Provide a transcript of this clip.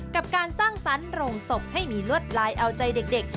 กับการสร้างสรรค์โรงศพให้มีลวดลายเอาใจเด็ก